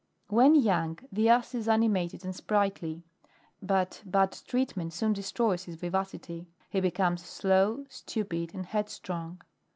20. When young, the Ass is animated and sprightly ; but bad treatment soon destroys his vivacity : he becomes slow, stupid, and headstrong.